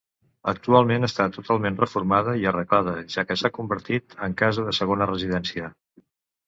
Actualment està totalment reformada i arreglada, ja que s'ha convertit en casa de segona residència.